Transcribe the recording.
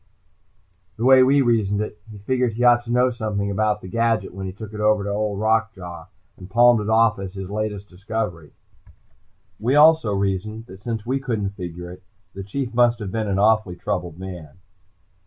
The way we reasoned it, he figured he ought to know something about the gadget when he took it in to Old Rock Jaw, and palmed it off as his latest discovery. We also reasoned that since we couldn't figure it, the Chief must have been an awfully troubled man.